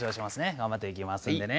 頑張っていきますんでね。